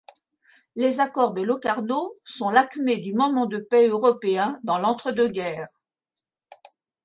Les accords de Locarno sont l'acmé du moment de paix européen dans l'entre-deux-guerres.